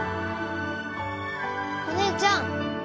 お姉ちゃん！